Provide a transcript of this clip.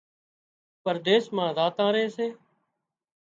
پرديس مان زاتان ري سي